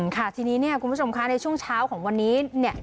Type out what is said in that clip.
ค่ะทีนี้คุณผู้ชมคะในช่วงเช้าของวันนี้